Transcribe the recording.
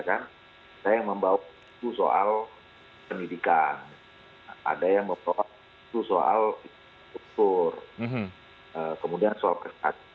ada yang membawa suatu soal pendidikan ada yang membawa suatu soal kultur kemudian soal kesehatan